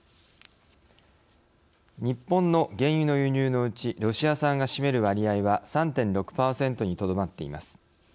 日本の原油の輸入のうちロシア産が占める割合は３．６％にとどまっています。